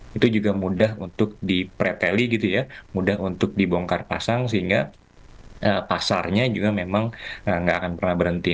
itu juga mudah untuk dipreteli gitu ya mudah untuk dibongkar pasang sehingga pasarnya juga memang nggak akan pernah berhenti